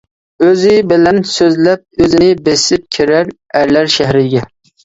كۆزى بىلەن سۆزلەپ ئۆزىنى، بېسىپ كىرەر ئەرلەر شەھىرىگە.